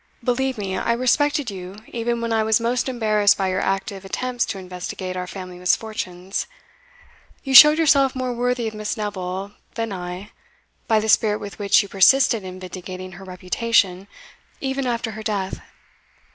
Believe me, I respected you even when I was most embarrassed by your active attempts to investigate our family misfortunes. You showed yourself more worthy of Miss Neville than I, by the spirit with which you persisted in vindicating her reputation even after her death.